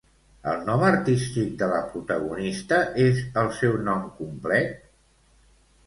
El nom artístic de la protagonista és el seu nom complet?